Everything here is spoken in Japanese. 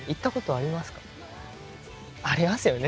ありますよね。